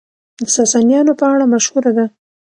د ساسانيانو په اړه مشهوره ده،